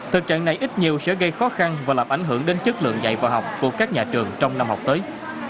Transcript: thực trạng này ít nhiều sẽ gây khó khăn và làm ảnh hưởng đến chất lượng dạy và học của các nhà trường trong năm học tới